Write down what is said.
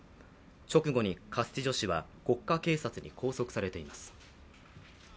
直後にカスティジョ氏は国家警察に拘束されています。